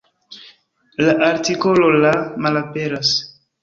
La artikolo "la" malaperas.